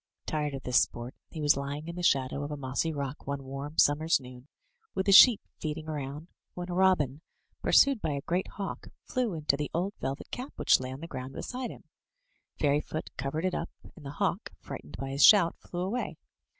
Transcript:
Tired of this sport, he was lying in the shadow of a mossy rock one warm summer's noon, with the sheep feeding around, when a robin, pursued by a great hawk, flew into the old velvet cap which lay on the ground beside him. Fairyfoot covered it up, and the hawk, frightened by his shout, flew away.